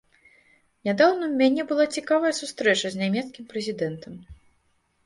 Нядаўна ў мяне была цікавая сустрэча з нямецкім прэзідэнтам.